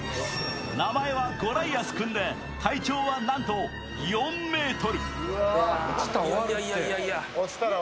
名前はゴライアス君で体長はなんと４ｍ。